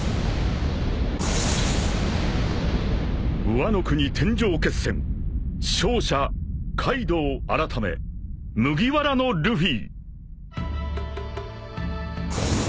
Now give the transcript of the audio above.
［ワノ国天上決戦勝者カイドウ改め麦わらのルフィ！］